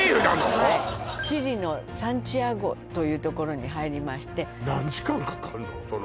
はいチリのサンティアゴという所に入りまして何時間かかるの？